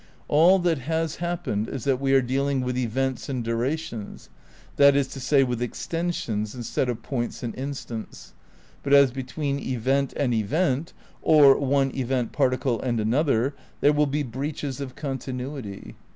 All that has happened is that we are dealing with events and durations, that is to say with extensions instead of points and instants ; but as between event and event, or one event particle and another, there will be breaches of continuity.